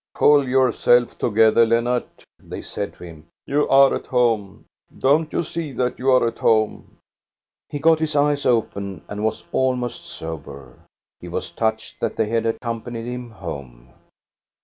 "Pull yourself together, Lennart," they said to him, " you are at home. Don't you see that you 're at home?" He got his eyes open and was almost sober. He was touched that they had accompanied him home.